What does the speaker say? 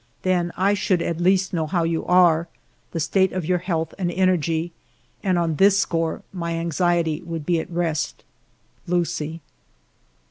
Then I should at least know how you are, the state of your health and energy, and on this score my anxiety would be at rest. Lucie."